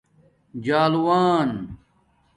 جلاݸن